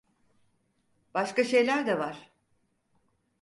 Başka şeyler de var.